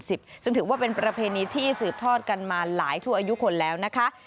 ซึ่งถือว่าเป็นประเพณีที่สืบทอดกันมาหลายชั่วอายุคนแล้วนะคะ